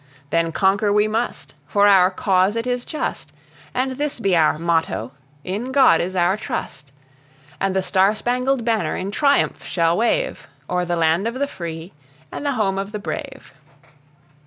Then conquer we must, for our cause it is just, And this be our motto "In God is our trust": And the star spangled banner in triumph shall wave O'er the land of the free, and the home of the brave.